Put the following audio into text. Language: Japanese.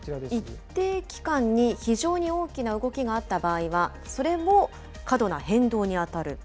一定期間に非常に大きな動きがあった場合は、それも過度な変動に当たる。